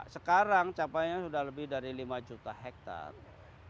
sekarang capaiannya sudah lebih dari lima juta hektare